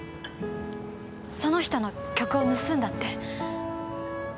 その人の曲を盗んだって。